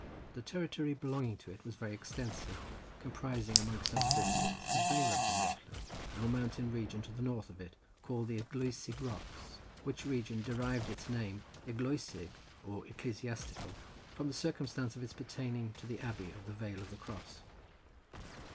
The territory belonging to it was very extensive, comprising, amongst other districts, the vale of Llangollen and the mountain region to the north of it, called the Eglwysig Rocks, which region derived its name Eglwysig, or ecclesiastical, from the circumstance of its pertaining to the abbey of the vale of the cross.